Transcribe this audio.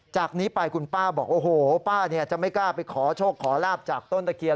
จากนี้ไปคุณป้าบอกโอ้โหป้าจะไม่กล้าไปขอโชคขอลาบจากต้นตะเคียน